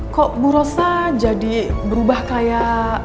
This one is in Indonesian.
kok bu rosa jadi berubah kayak